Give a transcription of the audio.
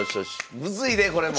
むずいでこれも！